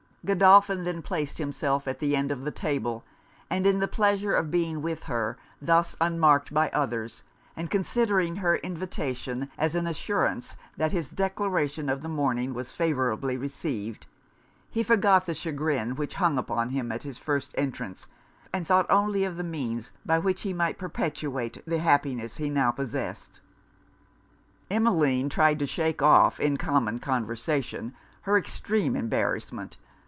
Godolphin then placed himself at the end of the table; and in the pleasure of being with her, thus unmarked by others, and considering her invitation as an assurance that his declaration of the morning was favourably received, he forgot the chagrin which hung upon him at his first entrance, and thought only of the means by which he might perpetuate the happiness he now possessed. Emmeline tried to shake off, in common conversation, her extreme embarrassment.